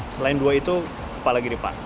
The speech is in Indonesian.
selain dua itu apa lagi nih pak